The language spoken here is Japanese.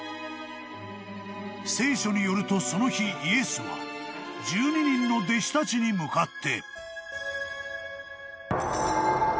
［聖書によるとその日イエスは１２人の弟子たちに向かって］